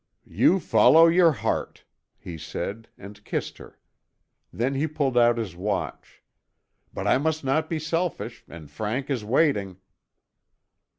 "You follow your heart," he said and kissed her. Then he pulled out his watch. "But I must not be selfish and Frank is waiting."